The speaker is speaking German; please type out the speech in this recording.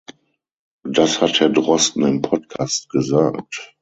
Das hat Herr Drosten im Podcast gesagt.